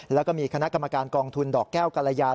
แล้วก็มีคณะกรรมการกองทุนดอกแก้วกรยา